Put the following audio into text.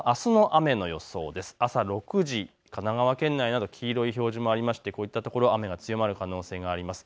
朝６時、神奈川県内など黄色い表示もあってこういったところは雨が強まる可能性があります。